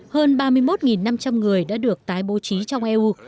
hơn ba mươi một năm trăm linh người đã được tái bố trí trong eu